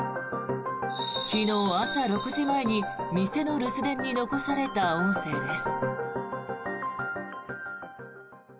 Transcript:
昨日朝６時前に店の留守電に残された音声です。